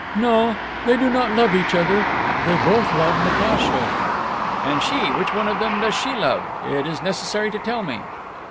"No, they do not love each other. They both love Natacha." "And she, which one of them does she love? It is necessary to tell me."